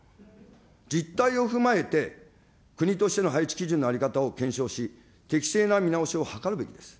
実態を踏まえて、国としての配置基準の在り方を検証し、適正な見直しを図るべきです。